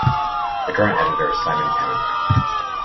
The current editor is Simon Tennant.